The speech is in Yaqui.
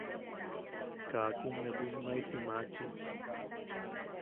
Kaakun nee bwijmaisi maachi.